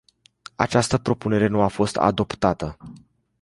Această propunere nu a fost adoptată.